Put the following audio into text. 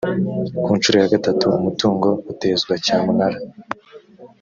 ku nshuro ya gatatu umutungo utezwa cyamunara.